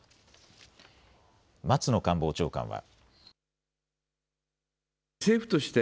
松野官房長官は。